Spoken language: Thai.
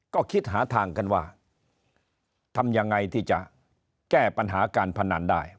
ก็คิดหาทางกันว่าทำยังไงที่จะแก้ปัญหาการพนันได้